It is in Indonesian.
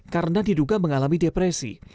karena diduga mengalami depresi